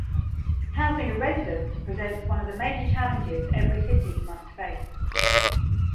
Housing of residents presents one of the major challenges every city must face.